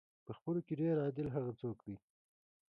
په خپلو کې ډېر عادل هغه څوک دی.